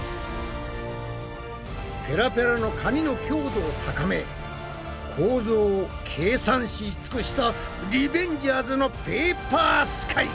ペラペラの紙の強度を高め構造を計算し尽くしたリベンジャーズのペーパースカイ！